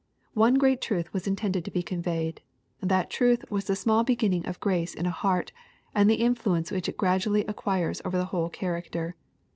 One great truth was intended to be conveyed. That truth was the small beginning of grace in a heart, and the influence which it gradually acquires over the whole character.